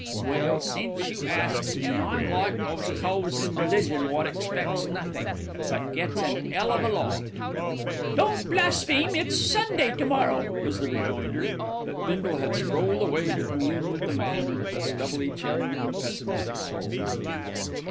"Well, since you asks me, I'm like those coves in religion wot expects nothink; but gets an 'ell of a lot." "Don't blaspheme. It's Sunday to morrow," was the rejoinder; but Bindle had strolled away to commune with the man with a stubbly chin and pessimistic soul.